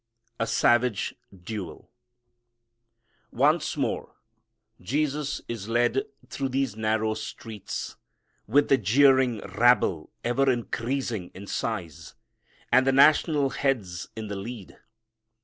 A Savage Duel. Once more Jesus is led through these narrow streets, with the jeering rabble ever increasing in size and the national heads in the lead.